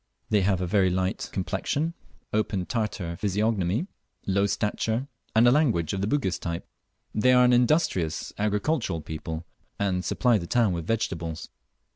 They have a very light complexion, open Tartar physiognomy, low stature, and a language of the Bugis type. They are an industrious agricultural people, and supply the town with vegetables.